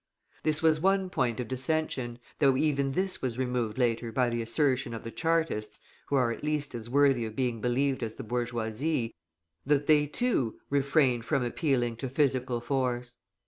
This was one point of dissension, though even this was removed later by the assertion of the Chartists (who are at least as worthy of being believed as the bourgeoisie) that they, too, refrained from appealing to physical force.